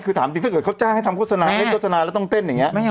คือถามจริงให้ทำโฆษณาแล้วต้องเต่นเนี้ย